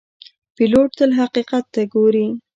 پیلوټ تل حقیقت ته ګوري.